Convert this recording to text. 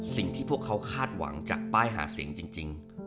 สิ่งที่พวกเขาคาดหวังจากป้ายหาเสียงจริง